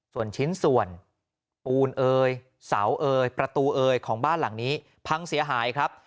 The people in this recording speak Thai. ส่วนชิ้นส่วนปูนเอยเสาเอยประตูเอยของบ้านหลังนี้พังเสียหายครับ